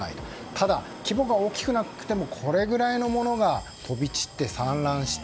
ただ、規模が大きくなくてもこれぐらいのものが散乱して。